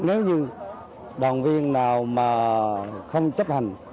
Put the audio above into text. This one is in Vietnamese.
nếu như đoàn viên nào mà không chấp hành